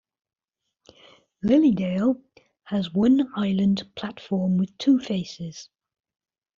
Lilydale has one island platform with two faces.